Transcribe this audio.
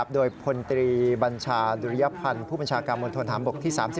โดยพลตรีบัญชาดุรยภัณฑ์ผู้บัญชาการมวลทวนธรรมบุกที่๓๗